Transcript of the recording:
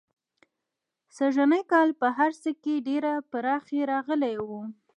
سږنی کال په هر څه کې ډېره پراخي راغلې وه.